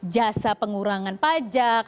jasa pengurangan pajak